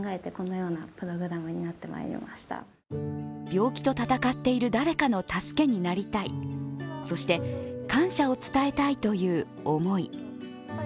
病気と闘っている誰かの助けになりたい、そして感謝を伝えたいという思い。